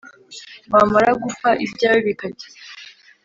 wamara gupfa ibyawe bikajya